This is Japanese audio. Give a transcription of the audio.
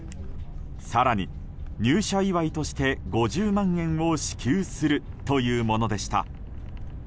更に入社祝いとして５０万円を支給するというものでした。